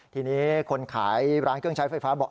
ทีนี้คนขายร้านเครื่องใช้ไฟฟ้าบอก